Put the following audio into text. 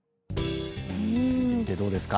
見てみてどうですか？